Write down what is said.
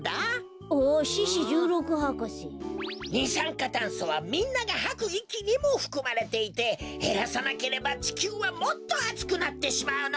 あっ獅子じゅうろく博士。にさんかたんそはみんながはくいきにもふくまれていてへらさなければちきゅうはもっとあつくなってしまうのだ。